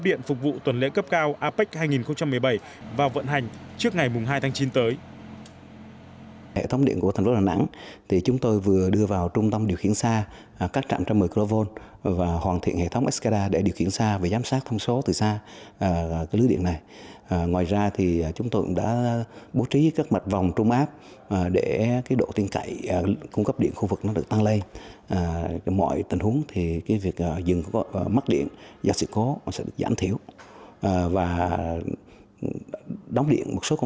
điện phục vụ tuần lễ cấp cao apec hai nghìn một mươi bảy vào vận hành trước ngày hai tháng chín tới